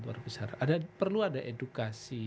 luar biasa ada perlu ada edukasi